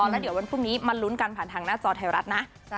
แล้วเดี๋ยววันพรุ่งนี้มาลุ้นกันผ่านทางหน้าจอไทยรัฐนะ